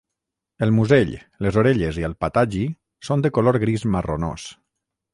El musell, les orelles i el patagi són de color gris marronós.